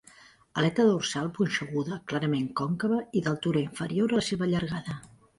Aleta dorsal punxeguda, clarament còncava i d'altura inferior a la seua llargada.